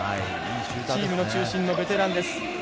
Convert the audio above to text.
チームの中心のベテランです。